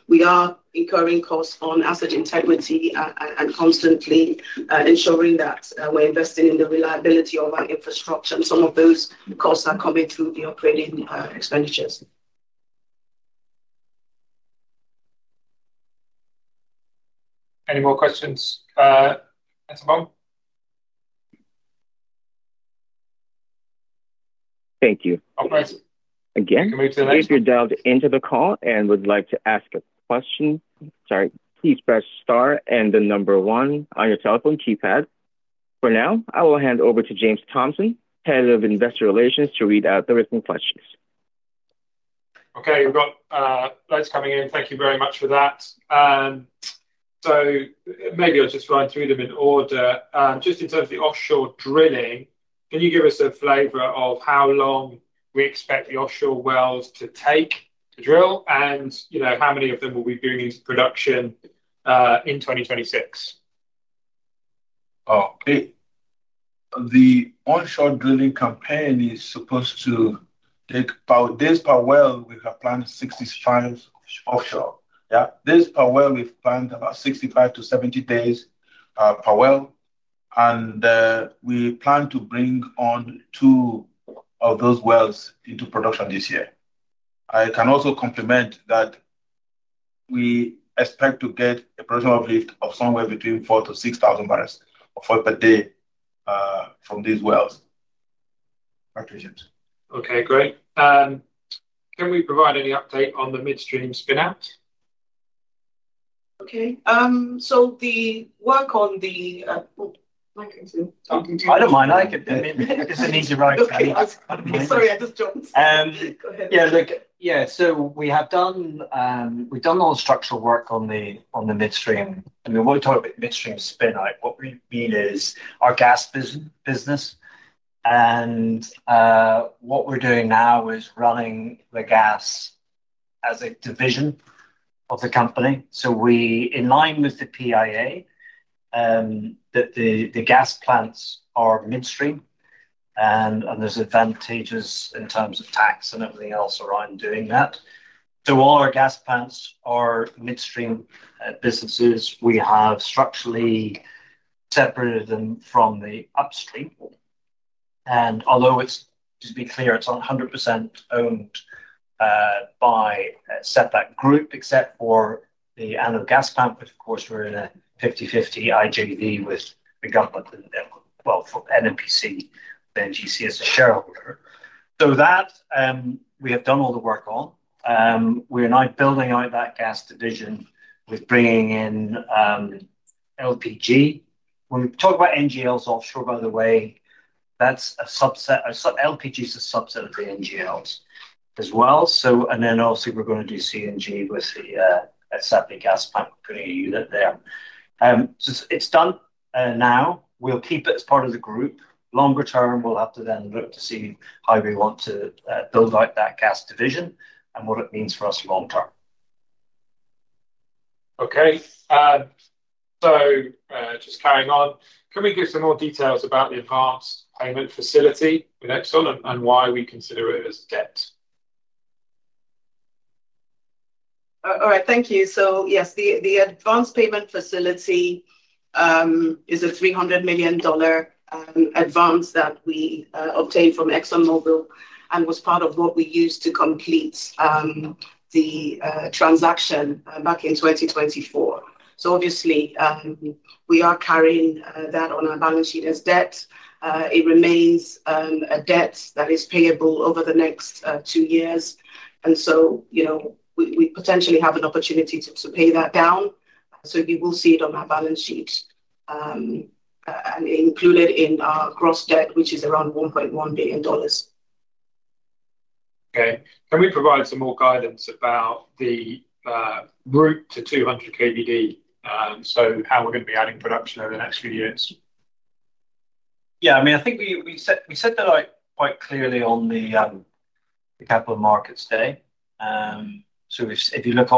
we are incurring costs on asset integrity and constantly ensuring that we're investing in the reliability of our infrastructure, and some of those costs are coming through the operating expenditures. Any more questions, at the moment? Thank you. Okay. Again You can move to the next one. If you've delved into the call and would like to ask a question, sorry, please press star and the number one on your telephone keypad. For now, I will hand over to James Thompson, Head of Investor Relations, to read out the written questions. Okay. We've got loads coming in. Thank you very much for that. Maybe I'll just run through them in order. Just in terms of the offshore drilling, can you give us a flavor of how long we expect the offshore wells to take to drill? You know, how many of them will be bringing into production in 2026? The onshore drilling campaign is supposed to take about days per well. We have planned 65 offshore. Days per well, we've planned about 65-70 days per well, and we plan to bring on two of those wells into production this year. I can also compliment that we expect to get a production uplift of somewhere between 4,000-6,000 barrels of oil per day from these wells. Represent. Great. Can we provide any update on the midstream spin-out? Well, Mike can talk. I don't mind. I can, it's an easy ride. Okay. Sorry, I just jumped. Go ahead. We've done all the structural work on the midstream. We talk about midstream spin-out. What we mean is our gas business. What we're doing now is running the gas as a division of the company. We in line with the PIA, the gas plants are midstream, and there's advantages in terms of tax and everything else around doing that. All our gas plants are midstream businesses. We have structurally separated them from the upstream, although it's, to be clear, it's not 100% owned by Seplat group, except for the ANOH gas plant. Of course, we're in a 50-50 IJV with the government, NNPC, the NGC as a shareholder. That we have done all the work on. We are now building out that gas division with bringing in LPG. When we talk about NGLs offshore, by the way, that's a subset. LPG is a subset of the NGLs as well. Also we're going to do CNG with the at Sapele Gas Plant, putting a unit there. It's done now. We'll keep it as part of the group. Longer term, we'll have to then look to see how we want to build out that gas division and what it means for us long term. Just carrying on, can we give some more details about the advanced payment facility with Exxon and why we consider it as debt? All right, thank you. Yes, the advanced payment facility is a $300 million advance that we obtained from ExxonMobil and was part of what we used to complete the transaction back in 2024. Obviously, we are carrying that on our balance sheet as debt. It remains a debt that is payable over the next two years, and so, you know, we potentially have an opportunity to pay that down. You will see it on our balance sheet and included in our gross debt, which is around $1.1 billion. Can we provide some more guidance about the route to 200 KBD, so how we're going to be adding production over the next few years? Yeah, I mean, I think we said that, like, quite clearly on the Capital Markets Day. If you look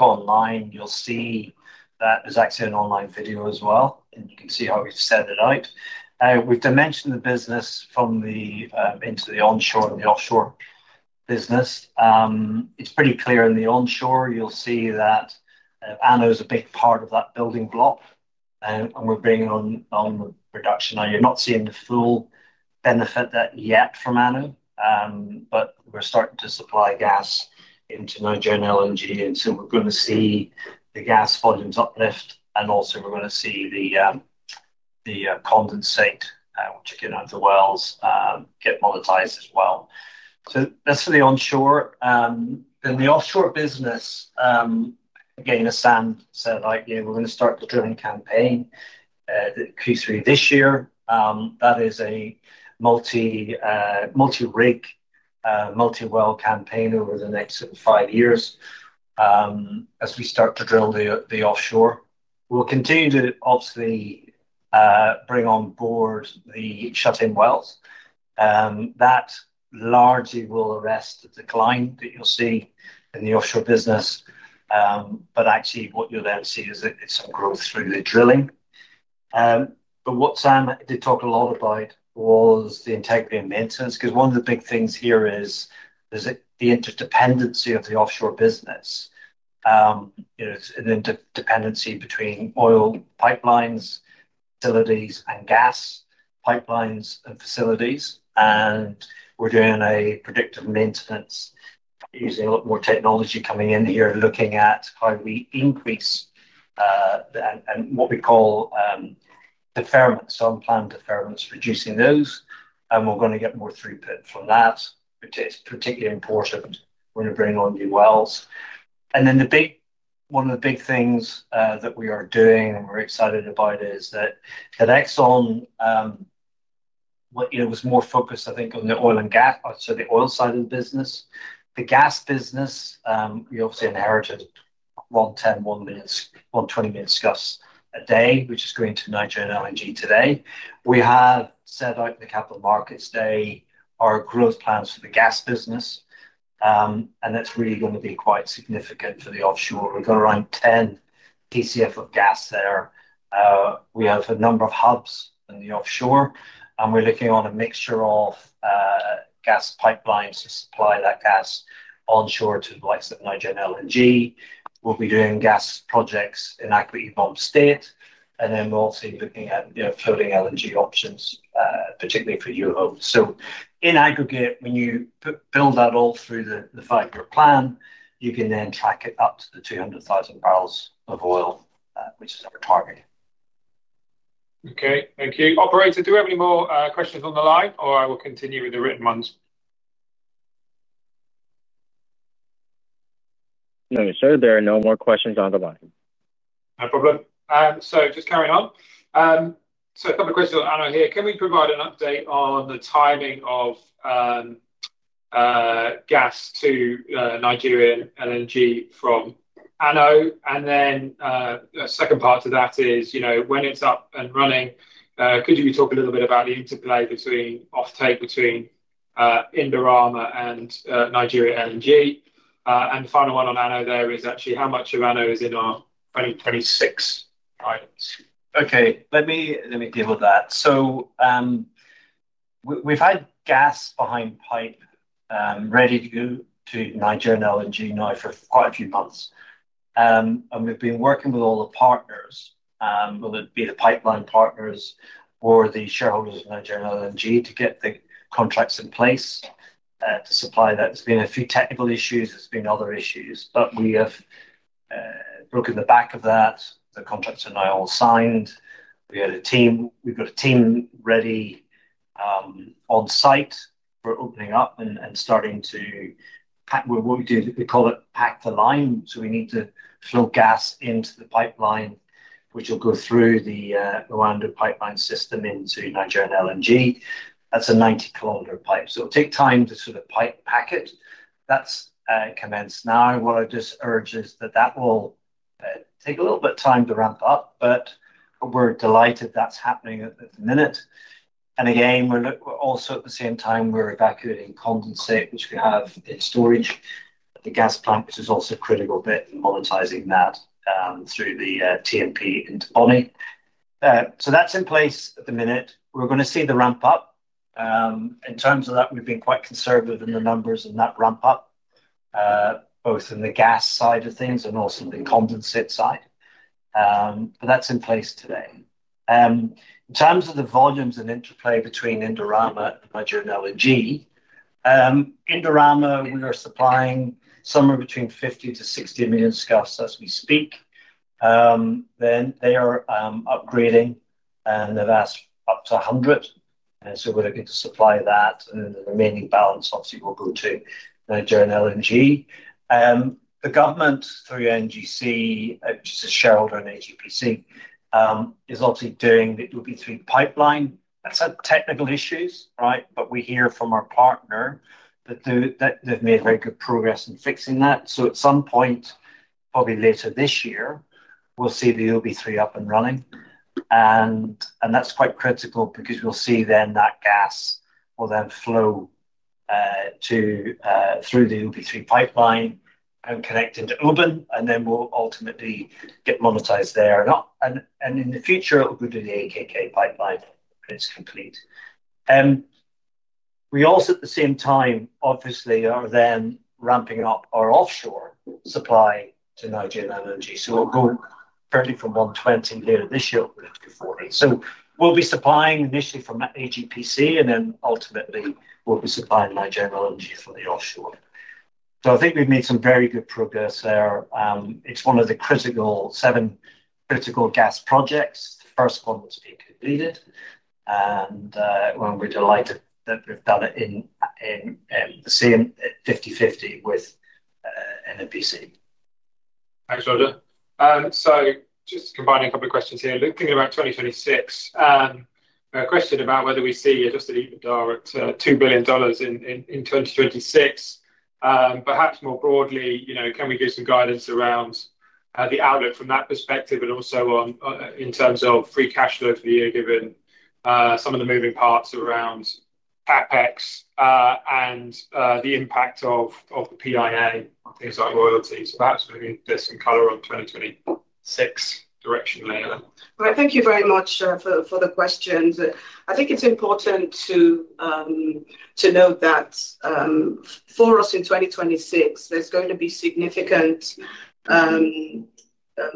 online, you'll see that there's actually an online video as well, and you can see how we've set it out. We've dimensioned the business from the into the onshore and the offshore business. It's pretty clear in the onshore, you'll see that ANOH is a big part of that building block, and we're bringing on production. Now, you're not seeing the full benefit that yet from ANOH, but we're starting to supply gas into Nigeria LNG, and so we're gonna see the gas volumes uplift, and also we're gonna see the condensate, which again, under wells, get monetized as well. That's for the onshore. In the offshore business, again, as Sam said, like, yeah, we're gonna start the drilling campaign, Q3 this year. That is a multi-rig, multi-well campaign over the next sort of five years. As we start to drill the offshore, we'll continue to obviously, bring on board the shut-in wells. That largely will arrest the decline that you'll see in the offshore business. Actually, what you'll then see is that it's some growth through the drilling. What Sam did talk a lot about was the integrity and maintenance, because one of the big things here is the interdependency of the offshore business. you know, it's an interdependency between oil pipelines, facilities, and gas pipelines and facilities, and we're doing a predictive maintenance using a lot more technology coming in here, looking at how we increase, and what we call, deferment, some planned deferments, reducing those, and we're gonna get more throughput from that, which is particularly important when you're bringing on new wells. One of the big things that we are doing, and we're excited about, is that at Exxon, what, you know, was more focused, I think, on the oil and gas, so the oil side of the business. The gas business, we obviously inherited 120 minute scf a day, which is going to Nigeria LNG today. We have set out the Capital Markets Day, our growth plans for the gas business. That's really gonna be quite significant for the offshore. We've got around 10 Tcf of gas there. We have a number of hubs in the offshore. We're looking on a mixture of gas pipelines to supply that gas onshore to the likes of Nigeria LNG. We'll be doing gas projects in Akwa Ibom State. Then we're also looking at, you know, floating LNG options, particularly for EUR. In aggregate, when you build that all through the five-year plan, you can then track it up to the 200,000 barrels of oil, which is our target. Okay, thank you. Operator, do we have any more questions on the line, or I will continue with the written ones? No, sir, there are no more questions on the line. No problem. Just carrying on. A couple of questions on ANOH here. Can we provide an update on the timing of gas to Nigeria LNG from ANOH? Then, the second part to that is, you know, when it's up and running, could you talk a little bit about the interplay between offtake between Indorama and Nigeria LNG? The final one on ANOH there is actually how much of ANOH is in our 2026 items. Okay, let me deal with that. We've had gas behind pipe, ready to go to Nigeria LNG now for quite a few months. We've been working with all the partners, whether it be the pipeline partners or the shareholders of Nigeria LNG, to get the contracts in place, to supply that. There's been a few technical issues, there's been other issues. We have broken the back of that. The contracts are now all signed. We've got a team ready, on site for opening up and starting to pack. What we do, we call it pack the line. We need to flow gas into the pipeline, which will go through the Rwanda pipeline system into Niger LNG. That's a 90 km pipe. It'll take time to sort of pipe pack it. That's commenced now. What I just urge is that that will take a little bit of time to ramp up, but we're delighted that's happening at the minute. Again, we're also at the same time, we're evacuating condensate, which we have in storage at the gas plant, which is also a critical bit in monetizing that through the TNP into Bonny. That's in place at the minute. We're going to see the ramp up. In terms of that, we've been quite conservative in the numbers in that ramp up, both in the gas side of things and also the condensate side. That's in place today. In terms of the volumes and interplay between Indorama and Nigeria LNG, Indorama, we are supplying somewhere between 50 to 60 million scf as we speak. Then they are upgrading, and they've asked up to 100, and so we're looking to supply that, and the remaining balance obviously will go to Nigeria LNG. The government, through NGC, which is a shareholder in AGPC, is obviously doing the OB3 pipeline. That's had technical issues, right? We hear from our partner that they've made very good progress in fixing that. At some point, probably later this year, we'll see the OB3 up and running, and that's quite critical because we'll see then that gas will then flow to through the OB3 pipeline and connect into Oben, and then will ultimately get monetized there. In the future, it will go to the AKK pipeline when it's complete. We also, at the same time, obviously, are ramping up our offshore supply to Nigeria LNG. We'll go fairly from 120 later this year to 40. We'll be supplying initially from AGPC, and ultimately, we'll be supplying Nigeria LNG from the offshore. I think we've made some very good progress there. It's one of the critical, seven critical gas projects. The first one to be completed, and well, we're delighted that we've done it in the same 50/50 with NNPC. Thanks, Roger. Just combining a couple of questions here, thinking about 2026, a question about whether we see adjusted EBITDA at $2 billion in 2026. Perhaps more broadly, you know, can we give some guidance around the outlook from that perspective and also on in terms of free cash flow for the year, given some of the moving parts around CapEx and the impact of the PIA on things like royalties? Perhaps maybe get some color on 2026 directionally. Well, thank you very much for the questions. I think it's important to note that for us in 2026, there's going to be significant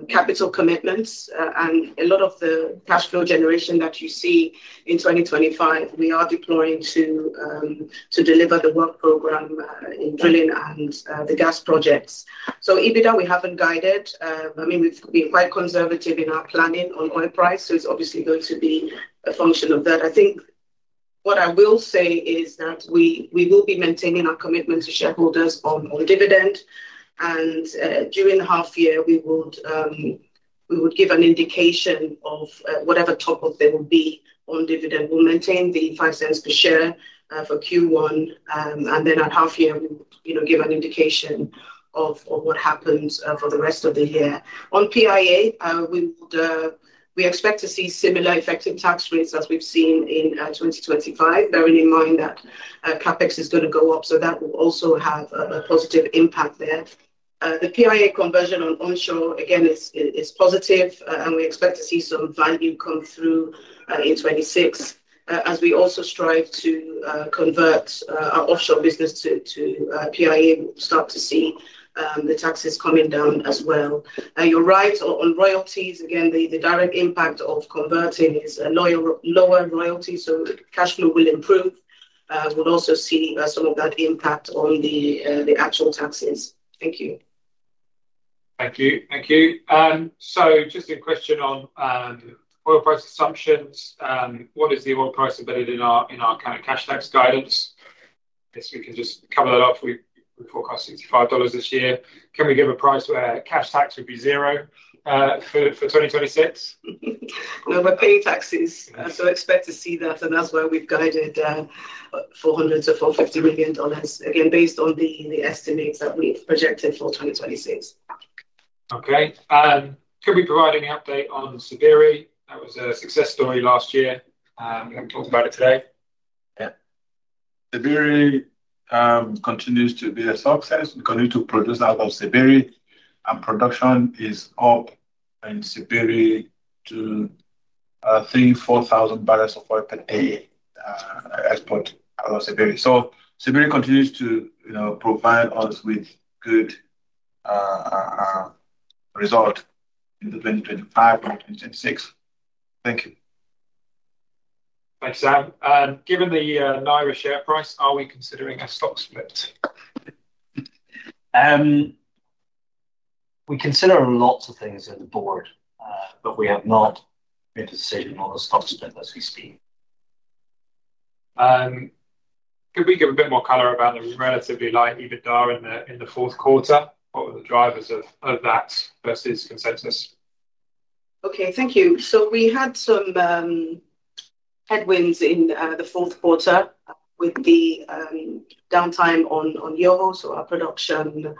capital commitments, and a lot of the cash flow generation that you see in 2025, we are deploying to deliver the work program in drilling and the gas projects. EBITDA, we haven't guided. I mean, we've been quite conservative in our planning on oil price, so it's obviously going to be a function of that. I think what I will say is that we will be maintaining our commitment to shareholders on dividend, and during the half year, we would give an indication of whatever top-up there will be on dividend. We'll maintain the $0.05 per share for Q1, then at half year, we would, you know, give an indication of what happens for the rest of the year. On PIA, we would expect to see similar effective tax rates as we've seen in 2025, bearing in mind that CapEx is going to go up, that will also have a positive impact there. The PIA conversion on onshore, again, is positive, we expect to see some value come through in 2026. As we also strive to convert our offshore business to PIA, we'll start to see the taxes coming down as well. You're right on royalties, again, the direct impact of converting is a lower royalty, cash flow will improve. We'll also see some of that impact on the actual taxes. Thank you. Thank you. Thank you. Just a question on oil price assumptions. What is the oil price embedded in our, in our kind of cash tax guidance? I guess we can just cover that off. We, we forecast $65 this year. Can we give a price where cash tax would be 0 for 2026? We're paying taxes, so expect to see that, and that's where we've guided for $100 million to $450 million, again, based on the estimates that we've projected for 2026. Okay. Could we provide any update on Zabiri? That was a success story last year. We haven't talked about it today. Yeah. Zabiri continues to be a success. We continue to produce out of Zabiri. Production is up in Zabiri to 3,000-4,000 barrels of oil per day export out of Zabiri. Zabiri continues to, you know, provide us with good result in 2025 and 2026. Thank you. Thanks, Sam. Given the Naira share price, are we considering a stock split? We consider lots of things in the board, but we have not made a decision on the stock split as we speak. Could we give a bit more color about the relatively light EBITDA in the fourth quarter? What were the drivers of that versus consensus? Thank you. We had some headwinds in the fourth quarter with the downtime on Yoho, so our production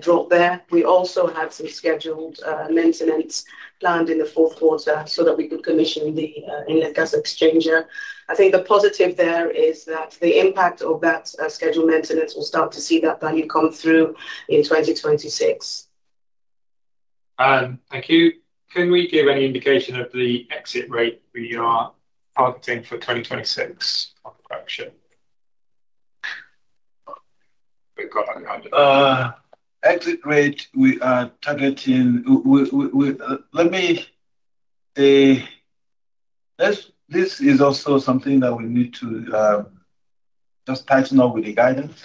dropped there. We also had some scheduled maintenance planned in the fourth quarter so that we could commission the inlet gas exchanger. I think the positive there is that the impact of that scheduled maintenance, we'll start to see that value come through in 2026. Thank you. Can we give any indication of the exit rate we are targeting for 2026 on the production? Exit rate, we are targeting wait, let me, this is also something that we need to just tighten up with the guidance.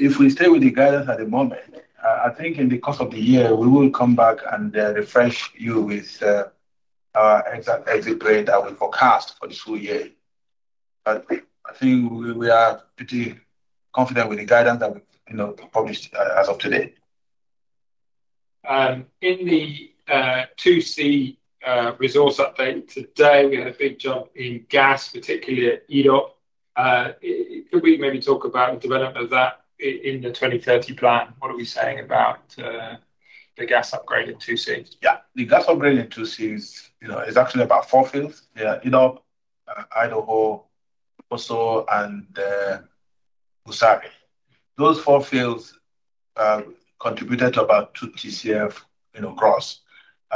If we stay with the guidance at the moment, I think in the course of the year, we will come back and refresh you with our exact exit rate that we forecast for this full year. I think we are pretty confident with the guidance that we've, you know, published as of today. In the 2C resource update today, we had a big jump in gas, particularly at Edop. Could we maybe talk about the development of that in the 2030 plan? What are we saying about the gas upgrade in 2C? Yeah, the gas upgrade in 2C is, you know, is actually about four fields. Yeah, you know, Idoho, Oso, and Usari. Those four fields contributed to about 2 Tcf, you know, gross,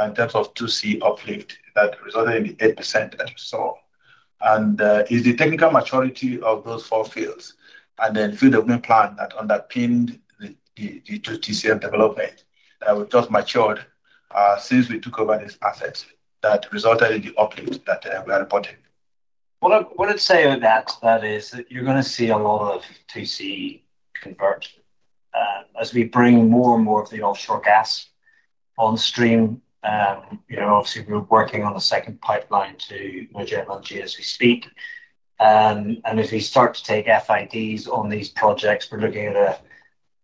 in terms of 2C uplift that resulted in the 8% that you saw. It's the technical maturity of those four fields, and then field development plan that underpinned the Tcf development that was just matured since we took over these assets, that resulted in the uplift that we are reporting. Well, look, what I'd say on that is that you're gonna see a lot of 2C convert as we bring more and more of the offshore gas on stream. You know, obviously, we're working on a second pipeline to Nigeria LNG as we speak. As we start to take FIDs on these projects, we're looking at a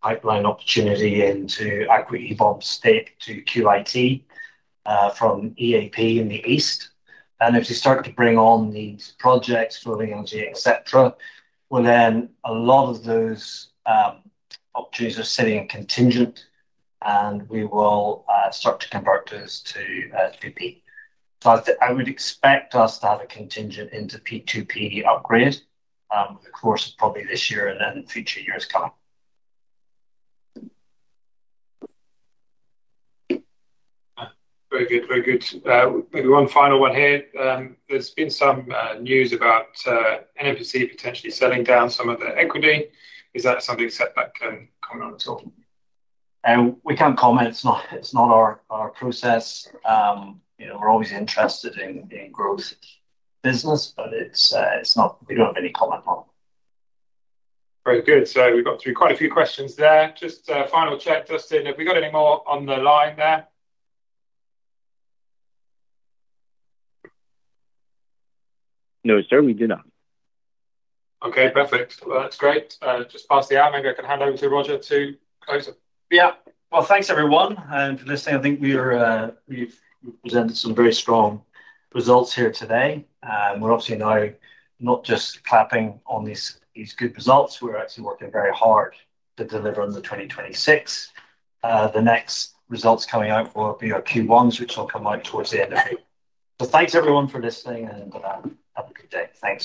pipeline opportunity into Akwa Ibom State to QIT from ELPS in the east. If you start to bring on these projects, floating LNG, et cetera, well, then a lot of those opportunities are sitting in contingent, and we will start to convert those to 2P. I would expect us to have a contingent into P2P upgrade over the course of probably this year and then future years coming. Very good, very good. Maybe one final one here. There's been some news about NNPC potentially selling down some of their equity. Is that something Seplat can comment on at all? We can't comment. It's not our process. You know, we're always interested in growth business, but it's not. We don't have any comment on it. Very good. We've got through quite a few questions there. Just a final check, Justin, have we got any more on the line there? No, sir, we do not. Okay, perfect. That's great. Just past the hour, maybe I can hand over to Roger to close up. Yeah. Well, thanks, everyone, for listening. I think we are, we've presented some very strong results here today. We're obviously now not just clapping on these good results, we're actually working very hard to deliver on the 2026. The next results coming out will be our Q1s, which will come out towards the end of April. Thanks, everyone, for listening, and have a good day. Thank you.